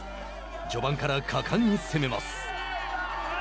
序盤から果敢に攻めます。